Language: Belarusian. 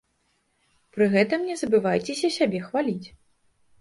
Пры гэтым не забывайцеся сябе хваліць.